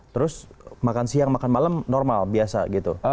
terus makan siang makan malam normal biasa gitu